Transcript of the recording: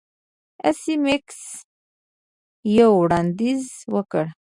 ایس میکس یو وړاندیز وکړ